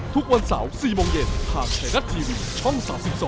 ทุกวันเสาร์๔โมงเย็นทางไทยรัฐทีวีช่อง๓๒